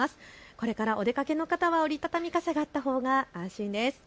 これからお出かけの方は折り畳み傘があったほうが安心です。